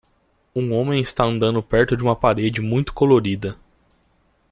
Um homem está andando perto de uma parede muito colorida.